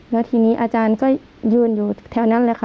แล้วทีนี้อาจารย์ก็ยืนอยู่แถวนั้นเลยค่ะ